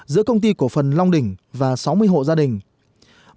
giữa công ty cổ phần long đỉnh và sáu mươi hộ gia đình